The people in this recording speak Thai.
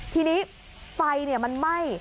ทีนี้ไฟมันไหม้